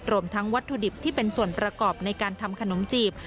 รวมทั้งวัตถุดิบที่เป็นส่วนประกอบในการทำขนมจีบ